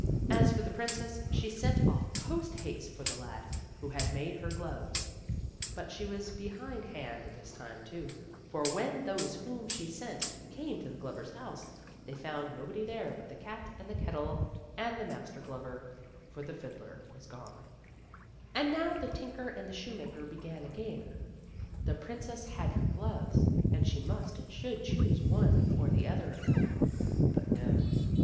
As for the princess, she sent off post haste for the lad who had made her gloves. But she was behindhand this time too, for, when those whom she sent came to the glover's house, they found nobody there but the cat and the kettle, and the master glover, for the fiddler was gone. THE STAFF AND THE FIDDLE. 265 And now the tinker and the shoemaker began again ; the princess had her gloves, and she must and should choose one or the other of them. But no.